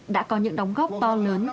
đã có những đóng góp to lớn